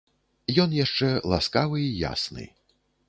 Ён яшчэ ласкавы і ясны.